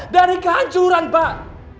dari kehancuran pak